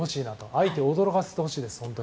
相手を驚かせてほしいです。